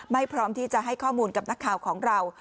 พร้อมที่จะให้ข้อมูลกับนักข่าวของเรา